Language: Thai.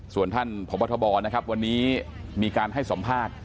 ส่วนท่านพบทบนะครับวันนี้มีการให้สัมภาษณ์